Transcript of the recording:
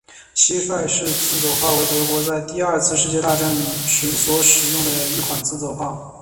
蟋蟀式自走炮为德国在第二次世界大战时所使用的一款自走炮。